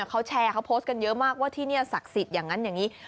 เขาแชร์เขาโพสต์กันเยอะมากว่าที่นี่ศักดิ์สิทธิ์อย่างนั้นอย่างนี้